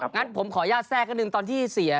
กคบ๊วยกิร์นงั้นผมขออย่าแทรกก็นึงตอนที่เสีย